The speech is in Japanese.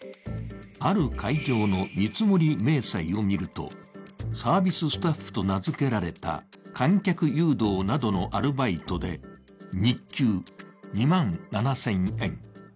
ある会場の見積明細を見ると、サービススタッフと名付けられた観客誘導などのアルバイトで日給２万７０００円。